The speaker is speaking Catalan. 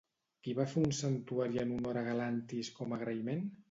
Qui va fer un santuari en honor a Galantis com a agraïment?